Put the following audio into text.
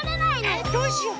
えっどうしよう。